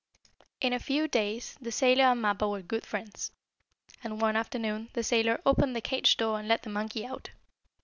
In a few days the sailor and Mappo were good friends, and one afternoon the sailor opened the cage door and let the monkey out.